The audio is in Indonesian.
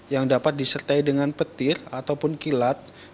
yang dapat disertai dengan petir ataupun kilat